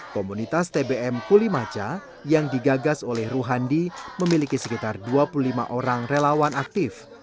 komunitas tbm kulimaca yang digagas oleh ruhandi memiliki sekitar dua puluh lima orang relawan aktif